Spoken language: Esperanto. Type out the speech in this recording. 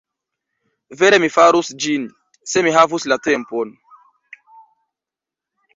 Vere mi farus ĝin, se mi havus la tempon.